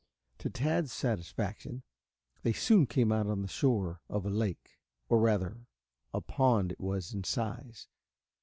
To Tad's satisfaction they soon came out on the shore of a lake, or rather a pond it was in size.